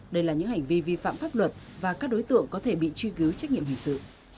đây là những hành vi vi phạm pháp luật và các đối tượng có thể bị truy cứu trách nhiệm hình sự